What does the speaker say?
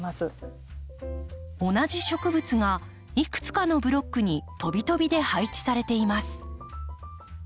同じ植物がいくつかのブロックに飛び飛びで配置されています。